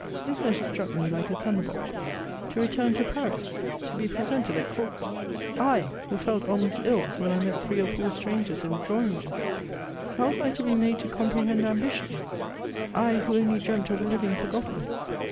This letter struck me Uke a thunderbolt : to return to Paris, to be presented at court ! I, who felt almost iU when I met three or four strangers in a drawing room ! How was I to be made to comprehend ambition 7 I, who only dreamt of living forgotten